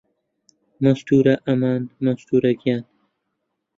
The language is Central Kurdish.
مەستوورە ئەمان مەستوورە گیان